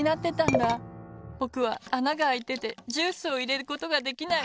ぼくはあながあいててジュースをいれることができない。